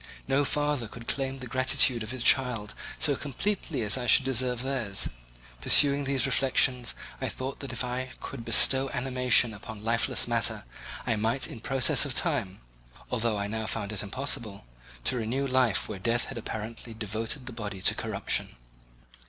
No father could claim the gratitude of his child so completely as I should deserve theirs. Pursuing these reflections, I thought that if I could bestow animation upon lifeless matter, I might in process of time (although I now found it impossible) renew life where death had apparently devoted the body to corruption.